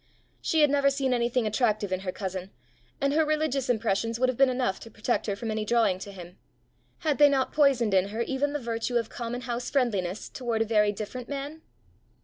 She had never seen anything attractive in her cousin, and her religious impressions would have been enough to protect her from any drawing to him: had they not poisoned in her even the virtue of common house friendliness toward a very different man?